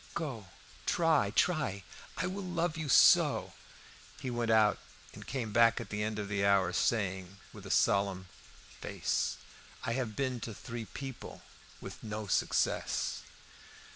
"Go, try, try! I will love you so!" He went out, and came back at the end of an hour, saying, with solemn face "I have been to three people with no success."